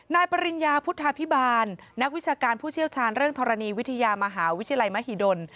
ปริญญาพุทธาพิบาลนักวิชาการผู้เชี่ยวชาญเรื่องธรณีวิทยามหาวิทยาลัยมหิดล